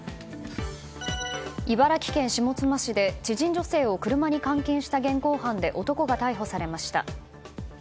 茨城県下妻市で知人女性を車に監禁した現行犯で、男が逮捕されました。